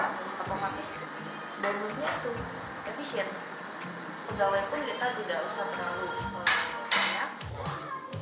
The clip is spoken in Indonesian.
udah lepon kita tidak usah terlalu banyak